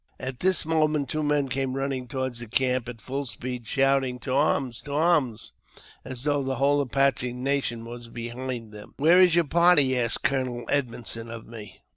At this moment two men came running toward the camp at full speed, shouting, " To arms ! to arms !" as though the whole Apache nation were behind them. Where is your party? " asked Colonel Edmondson of me.